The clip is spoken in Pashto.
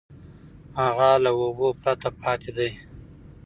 هغه له اوبو پرته پاتې دی.